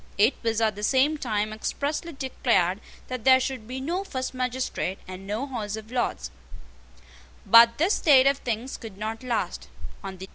It was at the same time expressly declared that there should be no first magistrate, and no House of Lords. But this state of things could not last.